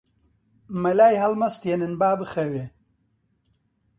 مەلای هەڵمەستێنن با بخەوێ